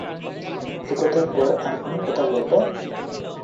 এ কথার পর আর কোন কথা বলব না।